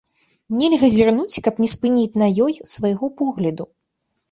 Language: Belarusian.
Нельга зірнуць, каб не спыніць на ёй свайго погляду.